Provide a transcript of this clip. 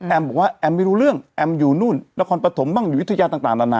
บอกว่าแอมไม่รู้เรื่องแอมอยู่นู่นนครปฐมบ้างอยู่วิทยาต่างนานา